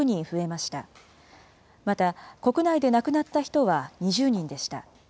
また国内で亡くなった人は２０人でした。